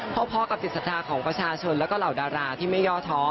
เพราะกับจิตศรัทธาของประชาชนแล้วก็เหล่าดาราที่ไม่ย่อท้อ